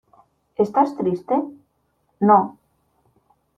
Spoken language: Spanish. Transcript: ¿ estás triste? no.